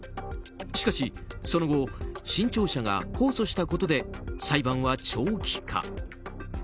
しかし、その後新潮社が控訴したことで裁判は長期化。